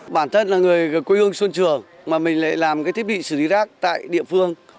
bản thân là người quê hương xuân trường mà mình lại làm cái thiết bị xử lý rác tại địa phương